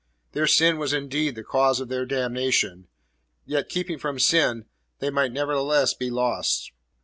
Their sin was indeed the cause of their damnation, yet, keeping from sin, they might nevertheless be lost.